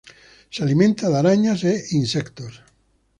Se alimenta de arañas e insectos.